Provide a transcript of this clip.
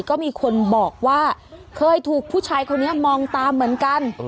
ก็มีคนบอกว่าเคยถูกผู้ชายคนนี้มองตามเหมือนกัน